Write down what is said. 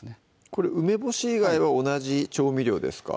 これ梅干し以外は同じ調味料ですか？